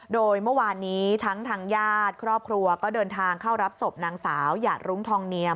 โดยเมื่อวานนี้ทั้งทางญาติครอบครัวก็เดินทางเข้ารับศพนางสาวหยาดรุ้งทองเนียม